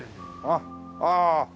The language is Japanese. あっああ。